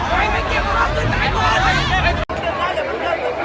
ก็ไม่มีเวลาให้กลับมาเท่าไหร่